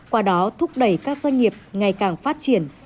qua đó thúc đẩy các doanh nghiệp ngày càng phát triển